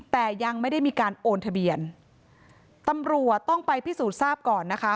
แต่ยังไม่ได้มีการโอนทะเบียนตำรวจต้องไปพิสูจน์ทราบก่อนนะคะ